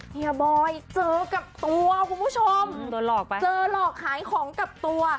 เฮียบอยเจอกับตัวคุณผู้ชมเจอหลอกหายของกับตัว